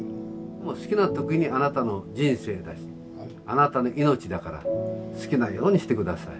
好きな時にあなたの人生だしあなたの命だから好きなようにして下さい。ね。